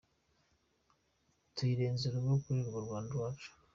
Tuyirenze urugo ari rwo Rwanda rwacu.